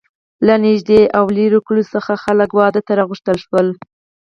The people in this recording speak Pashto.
له نږدې او لرې کلیو څخه خلک واده ته را وغوښتل شول.